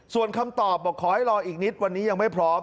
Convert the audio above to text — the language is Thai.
ส่วนคำตอบบอกขอให้รออีกนิดวันนี้ยังไม่พร้อม